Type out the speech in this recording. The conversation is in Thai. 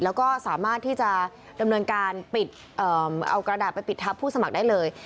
แล้วก็สามารถที่จะดำเนินการปิดเอากระดาษไปปิดทับผู้สมัครได้เลย